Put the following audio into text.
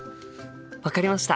分かりました。